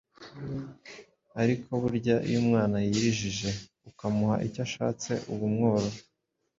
ariko burya iyo umwana yirijije ukamuha icyo ashatse uba umworora